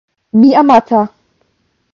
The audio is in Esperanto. Mi amata